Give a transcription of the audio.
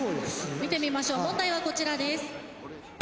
見てみましょう問題はこちらです。